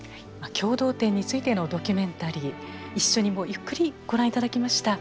共同店についてのドキュメンタリー一緒にゆっくりご覧頂きました。